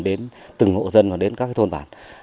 đến từng hộ dân và đến các thôn bản